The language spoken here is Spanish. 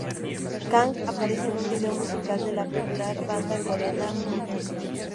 Kang aparece en un video musical de la popular banda coreana G.o.d.